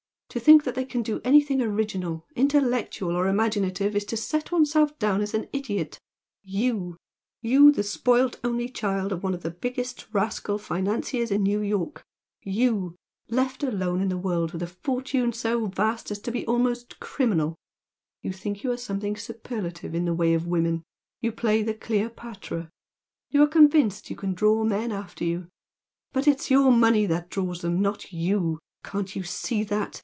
To think that they can do anything original, intellectual or imaginative is to set one's self down an idiot. YOU, you the spoilt only child of one of the biggest rascal financiers in New York, YOU, left alone in the world with a fortune so vast as to be almost criminal you think you are something superlative in the way of women, you play the Cleopatra, you are convinced you can draw men after you but it's your money that draws them, not YOU! Can't you see that?